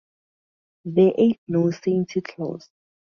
There ain't no santy clause!